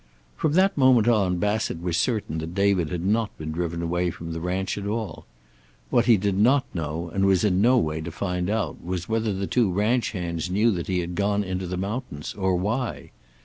From that moment on Bassett was certain that David had not been driven away from the ranch at all. What he did not know, and was in no way to find out, was whether the two ranch hands knew that he had gone into the mountains, or why.